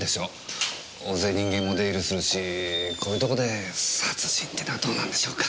大勢人間も出入りするしこういうとこで殺人ていうのはどうなんでしょうか？